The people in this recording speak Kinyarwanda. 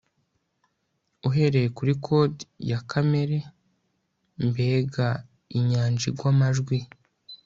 uhereye kuri chord ya kamere, mbega inyanja igwa amajwi